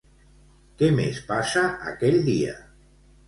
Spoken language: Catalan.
Què més passa aquell dia?